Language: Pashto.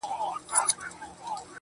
تك سپين زړگي ته دي پوښ تور جوړ كړی.